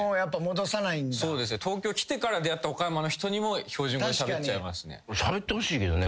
東京来てから出会った岡山の人にも標準語でしゃべっちゃいますね。